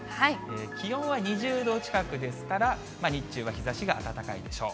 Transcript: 気温は２０度近くですから、日中は日ざしが暖かいでしょう。